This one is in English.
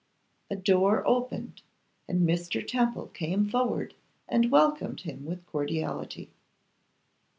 A door opened, and Mr. Temple came forward and welcomed him with cordiality.